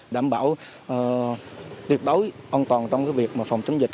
đảm bảo tuyệt đối an toàn trong việc phòng chống dịch